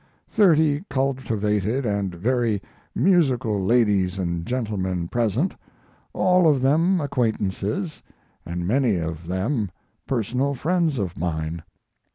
Thirty cultivated & very musical ladies & gentlemen present all of them acquaintances & many of them personal friends of mine.